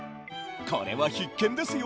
これは必見ですよ！